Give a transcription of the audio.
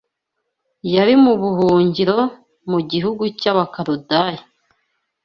yari mu buhungiro mu gihugu cy’Abakaludaya.